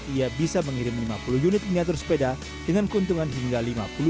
ia bisa mengirim lima puluh unit miniatur sepeda dengan keuntungan hingga lima puluh